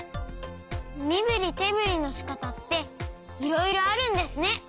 みぶりてぶりのしかたっていろいろあるんですね。